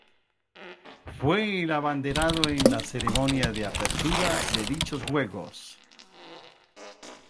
Fue el abanderado en la ceremonia de apertura de dichos Juegos.